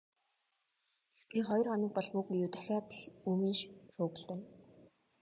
Тэгснээ хоёр хором болов уу, үгүй юу дахиад л үймэн шуугилдана.